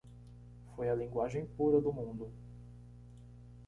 Foi a Linguagem pura do mundo.